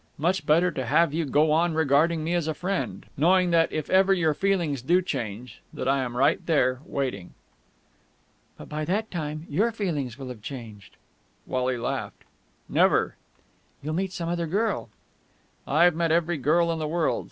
Much better to have you go on regarding me as a friend ... knowing that, if ever your feelings do change, that I am right there, waiting...." "But by that time your feelings will have changed!" Wally laughed. "Never!" "You'll meet some other girl...." "I've met every girl in the world!